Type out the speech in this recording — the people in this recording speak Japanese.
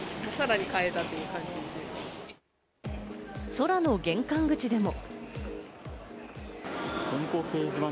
空の玄関口でも。